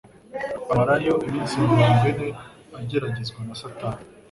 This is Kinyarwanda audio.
Amarayo iminsi mirongo ine ageragezwa na Satani'.